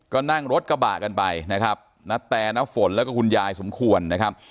ก็นั่งรถกระบะกันไปนะครับณแตน้าฝนแล้วก็คุณยายสมควรนะครับ